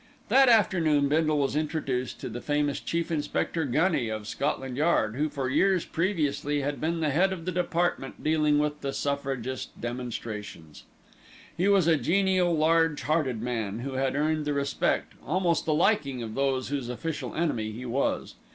That afternoon Bindle was introduced to the Famous Chief Inspector Gunny of Scotland Yard, who, for years previously, had been the head of the department dealing with the suffragist demonstrations. He was a genial, large hearted man, who had earned the respect, almost the liking of those whose official enemy he was.